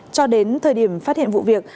cho đến thời điểm phát hiện vụ việc